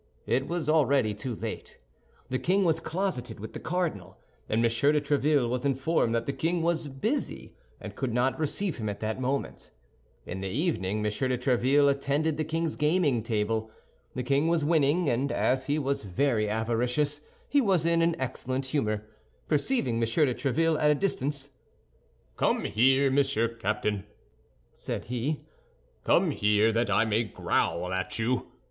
It was already too late. The king was closeted with the cardinal, and M. de Tréville was informed that the king was busy and could not receive him at that moment. In the evening M. de Tréville attended the king's gaming table. The king was winning; and as he was very avaricious, he was in an excellent humor. Perceiving M. de Tréville at a distance— "Come here, Monsieur Captain," said he, "come here, that I may growl at you.